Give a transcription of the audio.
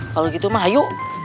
kalau begitu ayo